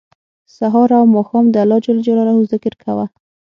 سهار او ماښام د الله ج ذکر کوه